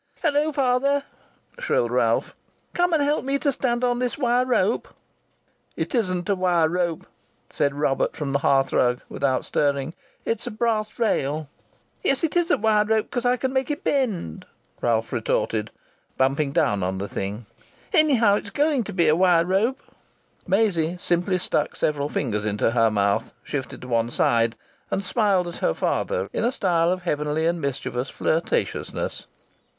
"'Ello, father!" shrilled Ralph. "Come and help me to stand on this wire rope." "It isn't a wire rope," said Robert from the hearthrug, without stirring, "it's a brass rail." "Yes, it is a wire rope, because I can make it bend," Ralph retorted, bumping down on the thing. "Anyhow, it's going to be a wire rope." Maisie simply stuck several fingers into her mouth, shifted to one side, and smiled at her father in a style of heavenly and mischievous flirtatiousness.